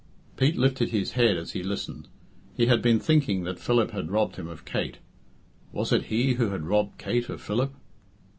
Pete lifted his head as he listened. He had been thinking that Philip had robbed him of Kate. Was it he who had robbed Kate of Philip?